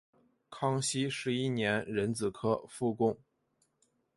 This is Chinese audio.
康熙十一年壬子科副贡。